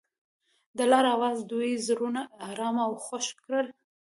د لاره اواز د دوی زړونه ارامه او خوښ کړل.